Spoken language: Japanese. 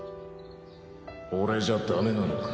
俺じゃダメなのか？